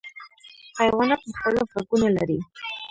حیوانات مختلف غږونه لري.